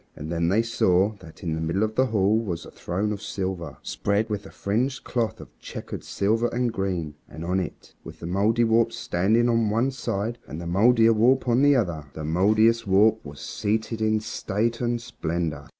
And then they saw that in the middle of the hall was a throne of silver, spread with a fringed cloth of checkered silver and green, and on it, with the Mouldiwarp standing on one side and the Mouldierwarp on the other, the Mouldiestwarp was seated in state and splendor.